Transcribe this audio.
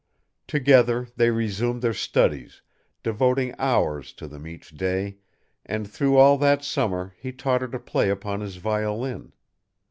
Together they resumed their studies, devoting hours to them each day, and through all that summer he taught her to play upon his violin.